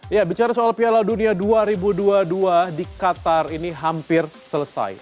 ya bicara soal piala dunia dua ribu dua puluh dua di qatar ini hampir selesai